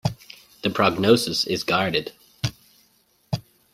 The prognosis is guarded.